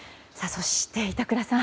そして板倉さん